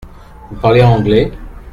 Vous parlez anglais ?